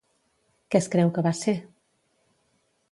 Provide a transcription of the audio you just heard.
Què es creu que va ser?